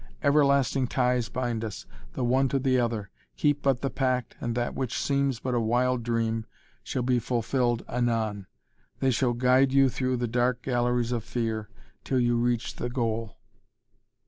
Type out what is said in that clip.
Everlasting ties bind us, the one to the other. Keep but the pact and that which seems but a wild dream shall be fulfilled anon. They shall guide you through the dark galleries of fear, till you reach the goal."